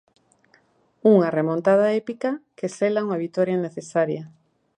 Unha remontada épica que sela unha vitoria necesaria.